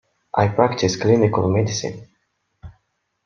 I practice clinical medicine.